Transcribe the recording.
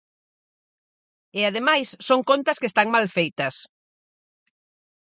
E, ademais, son contas que están mal feitas.